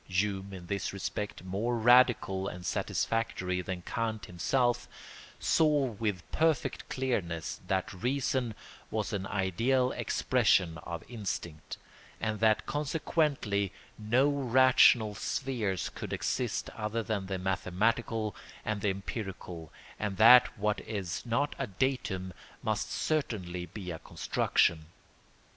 Hume, in this respect more radical and satisfactory than Kant himself, saw with perfect clearness that reason was an ideal expression of instinct, and that consequently no rational spheres could exist other than the mathematical and the empirical, and that what is not a datum must certainly be a construction.